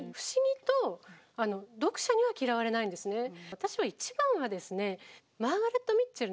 私は一番はですね